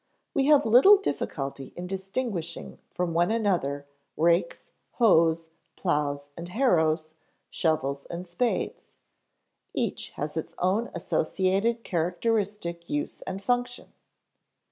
We have little difficulty in distinguishing from one another rakes, hoes, plows and harrows, shovels and spades. Each has its own associated characteristic use and function.